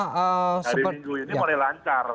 hari minggu ini mulai lancar